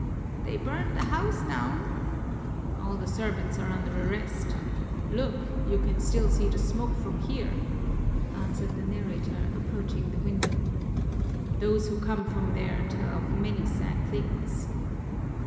"They burned the house down?" "All the servants are under arrest. Look, you can still see the smoke from here!" answered the narrator, approaching the window. "Those who come from there tell of many sad things."